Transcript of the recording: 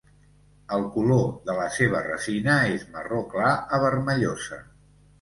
El color de la seva resina és marró clar a vermellosa.